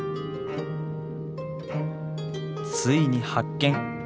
ついに発見！